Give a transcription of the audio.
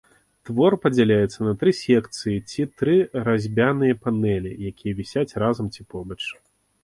Твор падзяляецца на тры секцыі ці тры разьбяныя панэлі, якія вісяць разам ці побач.